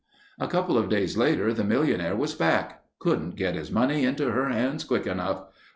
A couple of days later the millionaire was back. Couldn't get his money into her hands quick enough.